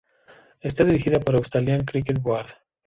Está dirigida por la Australian Cricket Board.